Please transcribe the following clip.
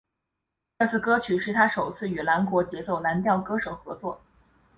这首歌曲是他首次与英国节奏蓝调歌手合作。